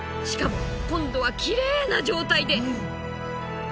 しかも今度はきれいな状態で。